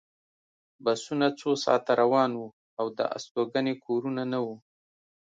بسونه څو ساعته روان وو او د استوګنې کورونه نه وو